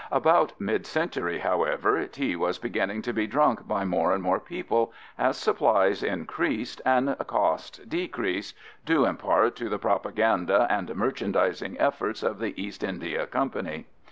About mid century, however, tea was beginning to be drunk by more and more people, as supplies increased and costs decreased, due in part to the propaganda and merchandising efforts of the East India Company.